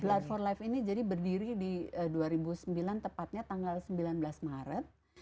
blood for life ini jadi berdiri di dua ribu sembilan tepatnya tanggal sembilan belas maret